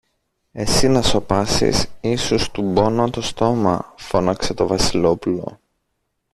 Εσύ να σωπάσεις ή σου στουμπώνω το στόμα, φώναξε το Βασιλόπουλο.